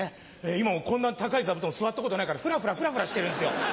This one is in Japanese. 今もこんな高い座布団座ったことないからフラフラフラフラしてるんですよ。